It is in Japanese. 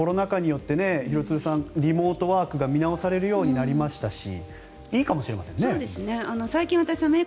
図らずもコロナ禍によって廣津留さんリモートワークが見直されるようになりましたしいいかもしれませんね。